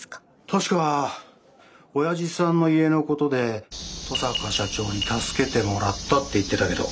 確かおやじさんの家のことで登坂社長に助けてもらったって言ってたけど。